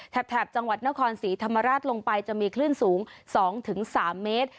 แถบจังหวัดนครศรีธรรมราชลงไปจะมีคลื่นสูง๒๓เมตร